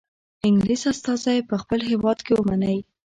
انګلیس استازی په خپل هیواد کې ومنئ.